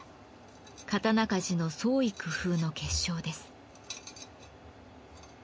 刀鍛冶の創意工夫の結晶です。